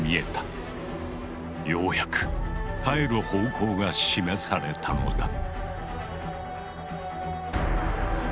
ようやく帰る方向が示されたのだ。